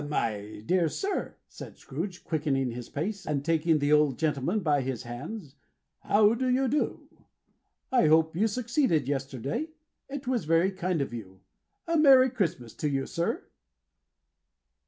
"My dear sir," said Scrooge, quickening his pace, and taking the old gentleman by both his hands, "how do you do? I hope you succeeded yesterday. It was very kind of you. A Merry Christmas to you, sir!"